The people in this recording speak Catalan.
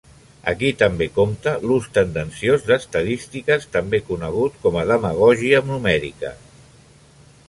Aquí també compta l'ús tendenciós d'estadístiques, també conegut com a demagògia numèrica.